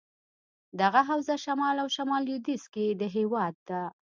دغه حوزه شمال او شمال لودیځ کې دهیواد ده.